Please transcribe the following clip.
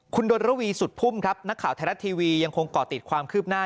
คุณดนระวีสุดพุ่มครับนักข่าวไทยรัฐทีวียังคงเกาะติดความคืบหน้า